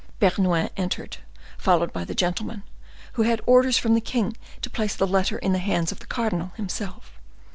Bernouin entered, followed by the gentleman, who had orders from the king to place the letter in the hands of the cardinal himself.